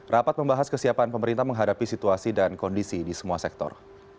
rapat membahas kesiapan pemerintah menghadapi situasi dan kondisi di semua sektor